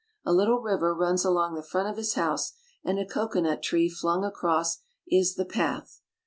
A little river runs along the front of his house and a cocoa nut tree flung across is the path.